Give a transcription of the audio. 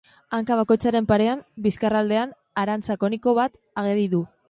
Hanka bakoitzaren parean, bizkarraldean, arantza koniko bat ageri du.